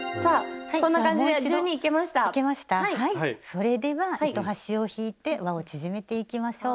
それでは糸端を引いてわを縮めていきましょう。